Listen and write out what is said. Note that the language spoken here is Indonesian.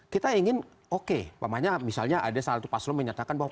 kita ingin oke misalnya ada salah satu paslon menyatakan bahwa